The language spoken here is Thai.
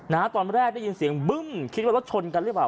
ตอนแรกได้ยินเสียงบึ้มคิดว่ารถชนกันหรือเปล่า